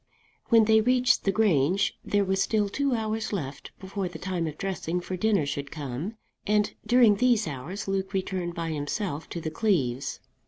When they reached the Grange there were still two hours left before the time of dressing for dinner should come, and during these hours Luke returned by himself to the Cleeves.